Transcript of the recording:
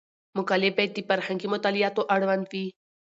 مقالې باید د فرهنګي مطالعاتو اړوند وي.